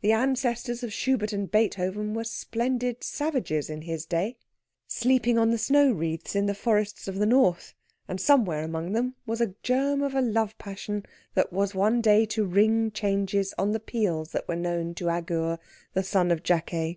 The ancestors of Schubert and Beethoven were splendid savages in his day, sleeping on the snow wreaths in the forests of the north; and somewhere among them there was a germ of a love passion that was one day to ring changes on the peals that were known to Agur, the son of Jakeh.